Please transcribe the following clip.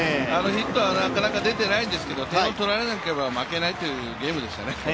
ヒットはなかなか出てないんですけれども、点を取られなければ負けないというゲームでしたね。